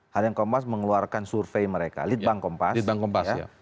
harian kompas mengeluarkan survei mereka litbang kompas